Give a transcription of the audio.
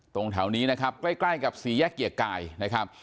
ตรงนี้นะครับใกล้กับสี่แยกเกียรติกายนะครับ